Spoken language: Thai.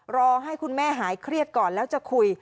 รอให้คุณแม่หายเครียดก่อนแล้วจะคุย